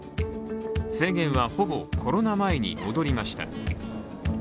制限はほぼコロナ前に戻りました。